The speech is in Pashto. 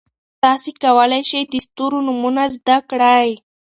تاسي کولای شئ د ستورو نومونه زده کړئ.